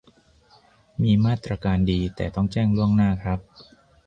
มีมาตรการดี แต่ต้องแจ้งล่วงหน้าครับ